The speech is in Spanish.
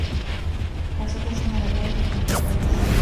Las hojas son alargadas y puntiagudas.